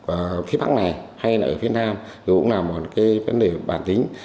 và phía bắc này hay là ở phía nam thì cũng là một cái vấn đề bản tính